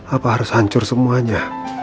apa harus hancur semua aja